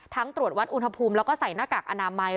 ตรวจวัดอุณหภูมิแล้วก็ใส่หน้ากากอนามัย